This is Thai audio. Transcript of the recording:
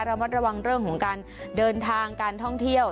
ระมัดระวังเรื่องของการเดินทางการท่องเที่ยว